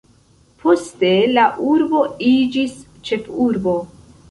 Poste la urbo iĝis ĉefurbo.